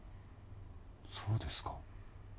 そうですか？